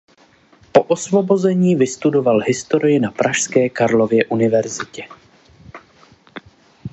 Po osvobození vystudoval historii na pražské Karlově univerzitě.